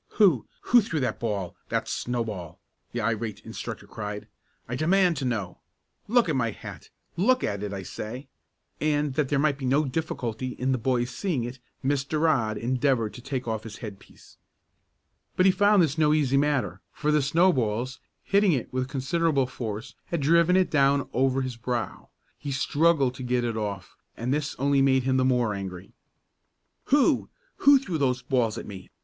"Who who threw that ball that snowball?" the irate instructor cried. "I demand to know. Look at my hat! Look at it, I say!" and that there might be no difficulty in the boys seeing it Mr. Rodd endeavored to take off his head piece. But he found this no easy matter, for the snowballs, hitting it with considerable force, had driven it down over his brow. He struggled to get it off and this only made him the more angry. "Who who threw those balls at me?"